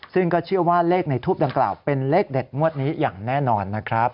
ซึ่งก็เชื่อว่าเลขในทูปดังกล่าวเป็นเลขเด็ดงวดนี้อย่างแน่นอนนะครับ